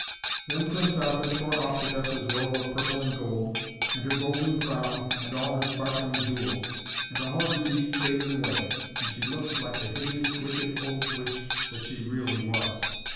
Then Prince Arthur tore off Fidessa's robe of purple and gold, and her golden crown and all her sparkling jewels. And all her beauty faded away, and she looked like the hideous, wicked old witch that she really was.